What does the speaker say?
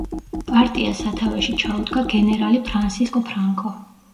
პარტიას სათავეში ჩაუდგა გენერალი ფრანსისკო ფრანკო.